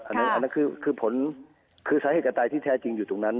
อันนั้นคือผลคือสาเหตุการตายที่แท้จริงอยู่ตรงนั้น